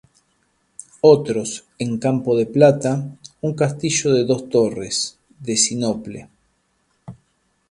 Otros: en campo de plata, un castillo de dos torres, de sinople.